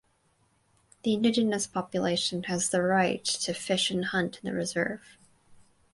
The indigenous population has the right to fish and hunt in the reserve.